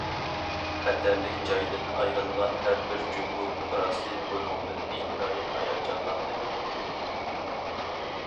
خەتەرلىك جايدىن ئايرىلغان ھەر بىر جۇڭگو پۇقراسى بۇنىڭدىن ئىنتايىن ھاياجانلاندى.